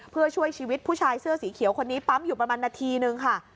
เพื่อช่วยชีวิตผู้ชายเสื้อสีเขียวคนนี้ปั๊มอยู่ประมาณนาทีนึงค่ะ